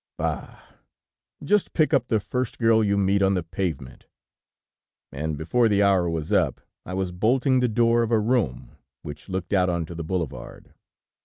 "'Bah! Just pick up the first girl you meet on the pavement.' "And before the hour was up, I was bolting the door of a room, which looked out onto the boulevard.